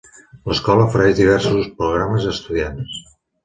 L'escola ofereix diversos programes a estudiants.